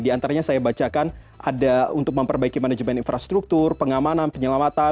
di antaranya saya bacakan ada untuk memperbaiki manajemen infrastruktur pengamanan penyelamatan